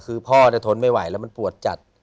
คือพ่อทนไม่ไหวแล้วมันปวดจัด